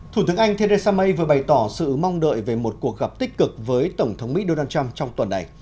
thủ tướng anh theresa may vừa bày tỏ sự mong đợi về một cuộc gặp tích cực với tổng thống mỹ donald trump trong tuần này